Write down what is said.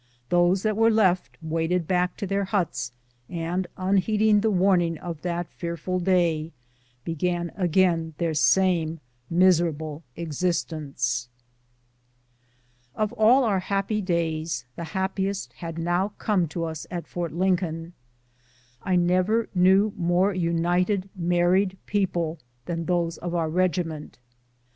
Those that were left waded back to their huts, and, unheeding the warn ing of that fearful day, began again their same miserable existence. Of all our happy days, the happiest had now come to us at Fort Lincoln. I never knew more united married people than those of our regiment.